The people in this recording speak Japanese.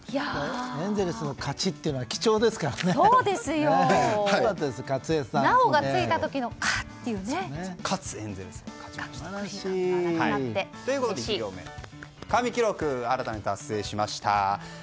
エンゼルスの勝ちは貴重ですからね。ということで神記録新たに達成しました。